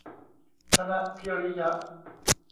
ธนพิริยะ